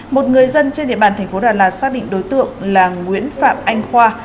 một người dân trên địa bàn thành phố đà lạt xác định đối tượng là nguyễn phạm anh khoa